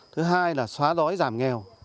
thứ hai là xóa lõi giảm nghèo